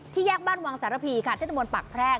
ที่แยกบ้านวางสารพีค่ะเทศบนปากแพรก